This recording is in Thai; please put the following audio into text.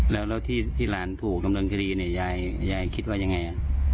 แล้วที่หลานถูกดำเนินคดีเนี่ยยายคิดว่ายังไง